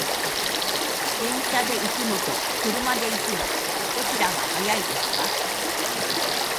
電車で行くのと車で行くの、どちらが早いですか？